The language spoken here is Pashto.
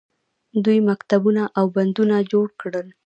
دوی مکتبونه او بندونه جوړ کړل.